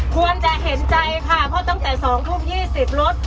ควรจะเห็นใจค่ะเพราะตั้งแต่๒ทุ่ม๒๐รถ